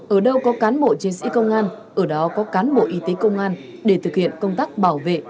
ở đâu có cán bộ chiến sĩ công an ở đó có cán bộ y tế công an để thực hiện công tác bảo vệ